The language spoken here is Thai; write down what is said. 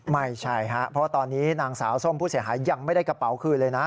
ไม่ใช่ฮะเพราะตอนนี้นางสาวส้มผู้เสียหายยังไม่ได้กระเป๋าคืนเลยนะ